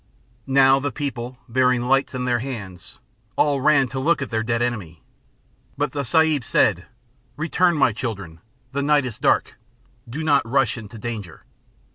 Now the people, bearing lights in their hands, all ran to look at their dead enemy. But the Sahib said "Return, my children; the night is dark, do not rush into danger."